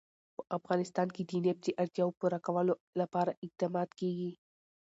په افغانستان کې د نفت د اړتیاوو پوره کولو لپاره اقدامات کېږي.